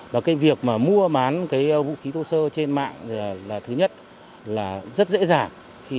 và cái việc mà mua bán cái vũ khí thô sơ trên mạng là thứ nhất là rất dễ dàng